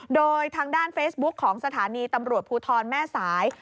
โดยทางด้านเฟซบุ๊คของสถานีตำรวจภูทรแม่สาย